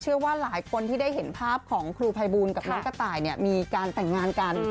เชื่อว่าหลายคนที่ได้เห็นภาพของครูภัยบูลกับน้องกระต่ายเนี่ยมีการแต่งงานกัน